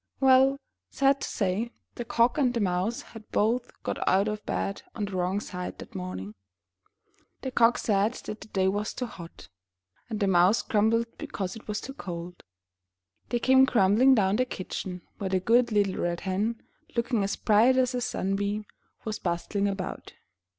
Well, sad to say, the Cock and the Mouse had both got out of bed on the wrong side that morning. The Cock said the day was too hot, and the Mouse grumbled because it was too cold. They came grumbling down to the kitchen, where the good little Red Hen, looking as bright as a sun beam, was bustling about.